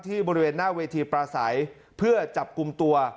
บริเวณหน้าเวทีปราศัยเพื่อจับกลุ่มตัว